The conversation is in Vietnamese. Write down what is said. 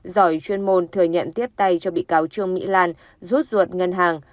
giỏi chuyên môn thừa nhận tiếp tay cho bị cáo trương mỹ lan rút ruột ngân hàng